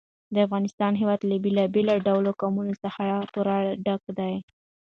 د افغانستان هېواد له بېلابېلو ډولو قومونه څخه پوره ډک دی.